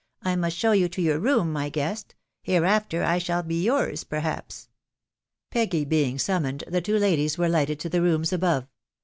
I must show you to your room, my guest ; hereafter I shall be yours, perhaps.19 Peggy being summoned, the two ladies were lighted to the rooms above. ,•